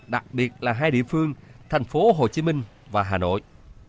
đặc biệt là hai địa phương thành phố hồ chí minh và hà nội